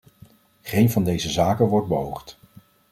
Geen van deze zaken wordt beoogd.